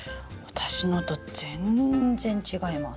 私のと全然違います。